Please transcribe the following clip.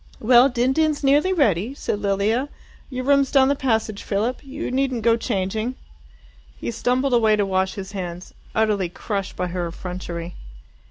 "Well, din din's nearly ready," said Lilia. "Your room's down the passage, Philip. You needn't go changing." He stumbled away to wash his hands, utterly crushed by her effrontery.